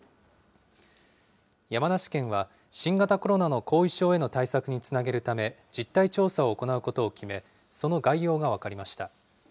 山梨県は新型コロナの後遺症への対策につなげるため、実態調査を行うことを決め、その概要が分かりました。